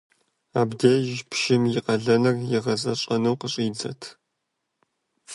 Абдеж пщым и къалэныр игъэзэщӀэну къыщӀидзэрт.